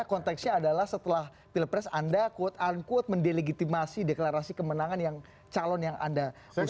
konteksnya adalah setelah pilpres anda quote unquote mendelegitimasi deklarasi kemenangan yang calon yang anda usung